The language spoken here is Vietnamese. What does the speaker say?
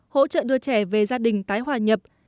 hỗ trợ đưa trẻ về gia đình tái hòa nhập